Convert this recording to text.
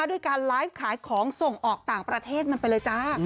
ด้วยการไลฟ์ขายของส่งออกต่างประเทศมันไปเลยจ้า